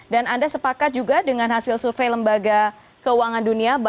dan anda sepakat juga dengan hasil survei lembaga keuangan dunia